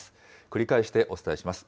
繰り返してお伝えします。